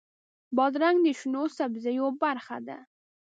بادرنګ د شنو سبزیو برخه ده.